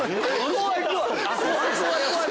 怖い怖い！